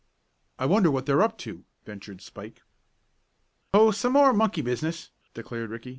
"I wonder what they're up to," ventured Spike. "Oh, some more monkey business," declared Ricky.